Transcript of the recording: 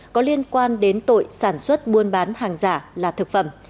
có liên quan đến tội sản xuất buôn bán hàng giả là thực phẩm